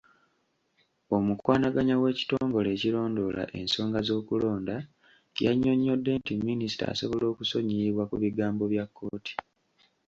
Omukwanaganya w'ekitongole ekirondoola ensonga z'okulonda, yannyonnyodde nti Minisita asobola okusonyiyibwa ku bigambo bya kkooti.